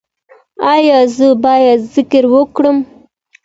ایا زه باید ذکر وکړم؟